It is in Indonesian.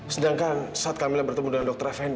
sedangkan saat kamilah bertemu dengan dokter fnd